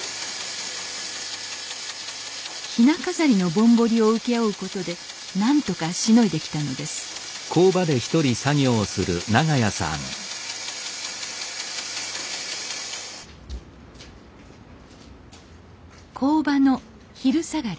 ひな飾りのぼんぼりを請け負うことでなんとかしのいできたのです工場の昼下がり。